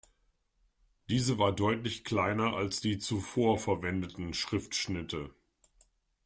Diese war deutlich kleiner als die zuvor verwendeten Schriftschnitte.